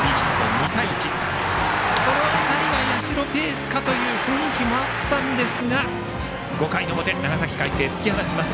２対１この辺りが社ペースかという雰囲気もあったんですが５回表長崎・海星が突き放します。